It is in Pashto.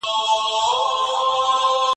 دټګۍ تصبيح په لاس کي